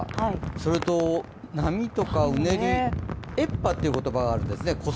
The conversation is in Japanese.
それと波とかうねり、越波という言葉があるんですね。